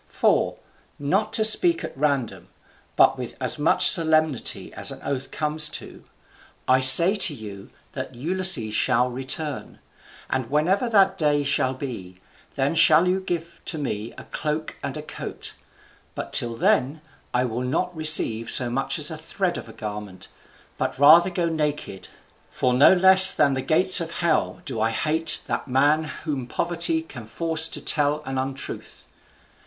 For, not to speak at random, but with as much solemnity as an oath comes to, I say to you that Ulysses shall return; and whenever that day shall be, then shall you give to me a cloak and a coat; but till then, I will not receive so much as a thread of a garment, but rather go naked; for no less than the gates of hell do I hate that man whom poverty can force to tell an untruth.